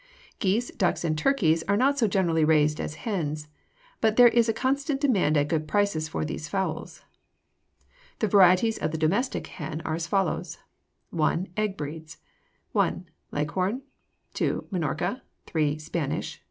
Geese, ducks, and turkeys are not so generally raised as hens, but there is a constant demand at good prices for these fowls. [Illustration: FIG. 260. BROODER] The varieties of the domestic hen are as follows: I. Egg Breeds 1. Leghorn. 2. Minorca. 3. Spanish.